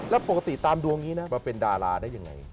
แล้วปกติตามดวงอย่างนี้นะมาเป็นดาราได้ยังไง